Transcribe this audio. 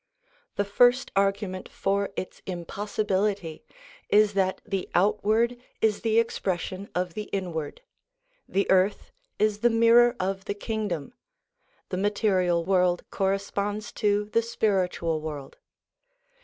The first argument for its impossibility, is that the outward is the expression of the inward ; the earth is the mirror of the Kingdom; the material world corresponds to the spiritual world.